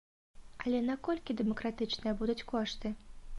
Але наколькі дэмакратычныя будуць кошты?